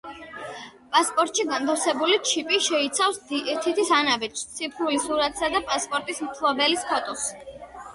პასპორტში განთავსებული ჩიპი შეიცავს თითის ანაბეჭდების ციფრულ სურათსა და პასპორტის მფლობელის ფოტოს.